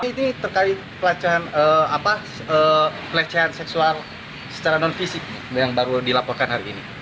ini terkait pelecehan seksual secara non fisik yang baru dilaporkan hari ini